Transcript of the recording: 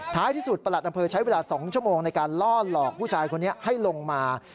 ที่สุดประหลัดอำเภอใช้เวลา๒ชั่วโมงในการล่อหลอกผู้ชายคนนี้ให้ลงมา